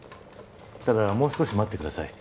ただもう少し待ってください